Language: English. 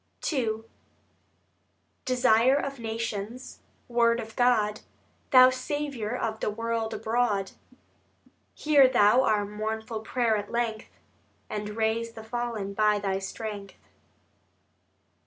II Desire of Nations, Word of God, Thou Saviour of the World abroad, Hear Thou our mournful prayer at length, And raise the fallen by Thy strength.